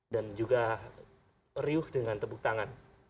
dan juga riuh dengan tepuk tangan